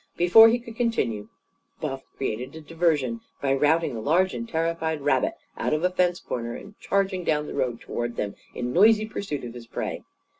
Before he could continue, Buff created a diversion by routing a large and terrified rabbit out of a fence corner and charging down the road toward them in noisy pursuit of his prey.